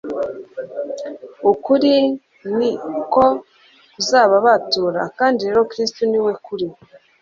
«Ukuri ni ko kuzababatura» kandi rero Kristo ni we kuri.